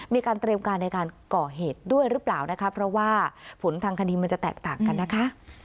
มีการเตรียมการในการก่อเหตุด้วยหรือเปล่านะคะเพราะว่าผลทางคดีมันจะแตกต่างกันนะคะ